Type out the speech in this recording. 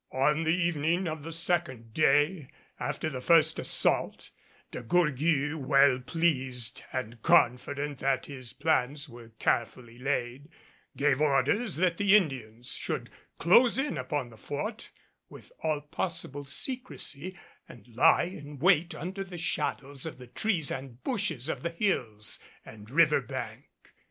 On the evening of the second day after the first assault, De Gourgues, well pleased and confident that his plans were carefully laid, gave orders that the Indians should close in upon the fort with all possible secrecy and lie in wait under the shadows of the trees and bushes of the hills and river bank.